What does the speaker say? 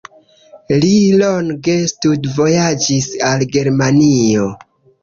Li longe studvojaĝis al Germanio.